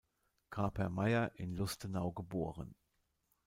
Grabher-Meyer in Lustenau geboren.